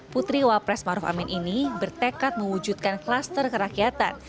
putri wapres maruf amin ini bertekad mewujudkan klaster kerakyatan